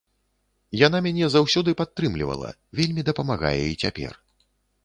Яна мяне заўсёды падтрымлівала, вельмі дапамагае і цяпер.